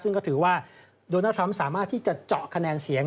ซึ่งก็ถือว่าโดนัลดทรัมป์สามารถที่จะเจาะคะแนนเสียง